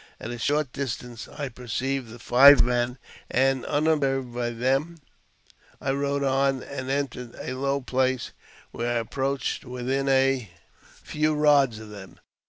At a short distance I perceived the five men, and, unobserved by them, I rode on and entered a low place until I approached within a few rods of them.